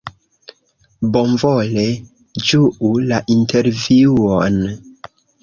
Bonvole ĝuu la intervjuon!